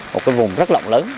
một cái vùng rất lộn lớn